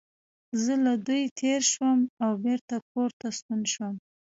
زه له دوی تېر شوم او بېرته کور ته ستون شوم.